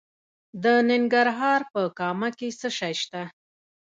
د ننګرهار په کامه کې څه شی شته؟